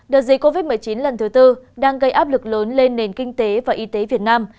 đợt dịch covid một mươi chín lần thứ tư đang gây áp lực lớn lên nền kinh tế và y tế việt nam